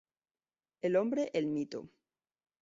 El hombre, el mito".